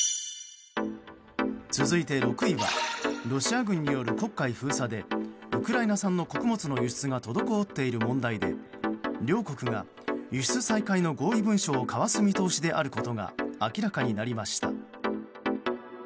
続いて６位はロシア軍による黒海封鎖でウクライナ産の穀物の輸出が滞っている問題で両国が輸出再開の合意文書を交わす見通しであることが明らかになりました。